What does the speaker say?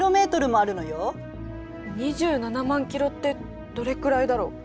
２７万キロってどれくらいだろう。